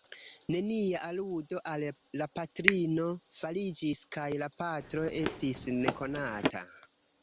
Nenia aludo al la patrino fariĝis kaj la patro estis nekonata.